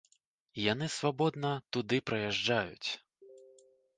Яны свабодна туды прыязджаюць.